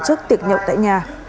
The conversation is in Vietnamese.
tổ chức tiệc nhậu tại nhà